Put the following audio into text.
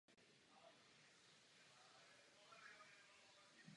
Ve světovém poháru dokázal individuálně skončit nejlépe na druhém místě.